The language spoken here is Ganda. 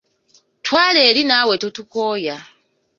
Twala eri naawe totukooya.